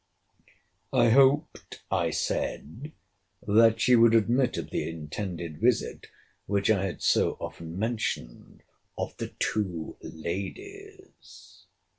I hoped, I said, that she would admit of the intended visit, which I had so often mentioned, of the two ladies.